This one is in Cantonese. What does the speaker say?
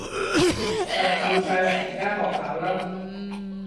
實浸晒成間學校啦